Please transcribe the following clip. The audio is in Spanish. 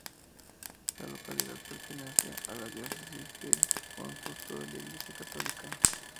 La localidad pertenece a la Diócesis de San Justo de la Iglesia católica.